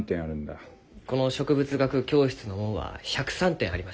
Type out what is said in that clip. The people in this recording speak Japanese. この植物学教室のもんは１０３点ありました。